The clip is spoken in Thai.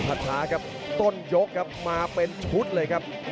ช้าครับต้นยกครับมาเป็นชุดเลยครับ